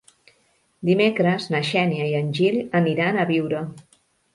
Dimecres na Xènia i en Gil aniran a Biure.